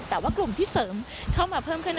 แต่ว่ากลุ่มที่เสริมเข้ามาเพิ่มขึ้น